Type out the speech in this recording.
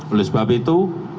oleh sebab itu